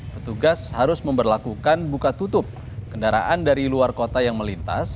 petugas harus memperlakukan buka tutup kendaraan dari luar kota yang melintas